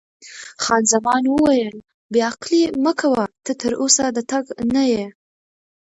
خان زمان وویل: بې عقلي مه کوه، ته تراوسه د تګ نه یې.